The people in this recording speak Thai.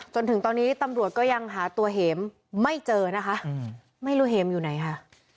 จนถึงตอนนี้ตำรวจก็ยังหาตัวเห็มไม่เจอนะคะไม่รู้เห็มอยู่ไหนค่ะ